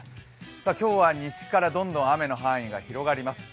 今日は西からどんどん雨の範囲が広がります。